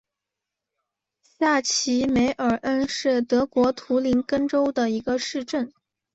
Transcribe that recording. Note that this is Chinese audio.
下齐梅尔恩是德国图林根州的一个市镇。